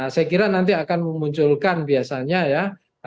saya kira nanti akan memunculkan biasanya ya